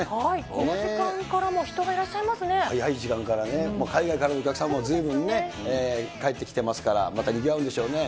この時間からも人がいらっし早い時間からね、もう海外からのお客さんもずいぶん帰ってきていますから、またにぎわうんでしょうね。